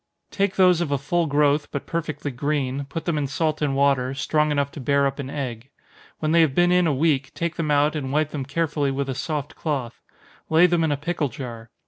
_ Take those of a full growth, but perfectly green, put them in salt and water, strong enough to bear up an egg. When they have been in a week, take them out, and wipe them carefully with a soft cloth. Lay them in a pickle jar.